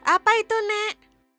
apa itu nek